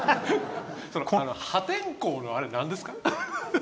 破天荒のあれなんですか？